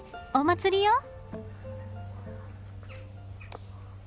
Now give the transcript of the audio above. お祭り用？